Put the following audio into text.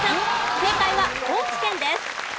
正解は高知県です。